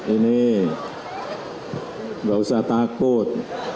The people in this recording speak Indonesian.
ini gak usah takut